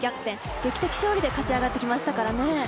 劇的勝利で勝ち上がってきましたからね。